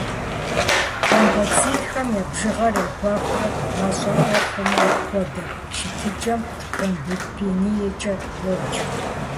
Тромбоцитхэм я бжыгъэр ехуэхрэ мащӏэӏуэ хъумэ, апхуэдэ щытыкӏэм тромбопениекӏэ йоджэ.